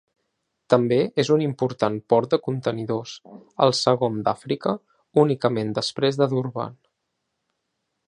També és un important port de contenidors, el segon d'Àfrica únicament després de Durban.